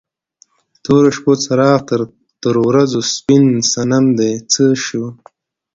د تورو شپو څراغ تر ورځو سپین صنم دې څه شو؟